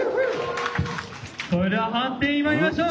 それでは判定にまいりましょう！